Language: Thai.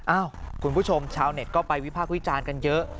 คุณผู้ชมชาวเน็ตก็ไปวิพากษ์วิจารณ์กันเยอะ